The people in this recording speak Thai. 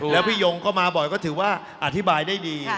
แล้วพี่ยงก็มาบ่อยก็ถือว่าอธิบายได้ดี